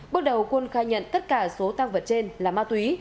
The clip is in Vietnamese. bước đầu quân khai nhận tất cả số tăng vật trên là ma túy